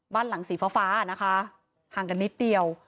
บ้านหลังสีฟ้านะคะห่างกันนิดเดียว